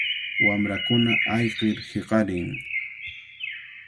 Wamrakuna ayqir hiqarin.